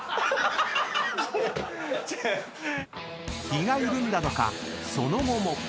［気が緩んだのかその後も］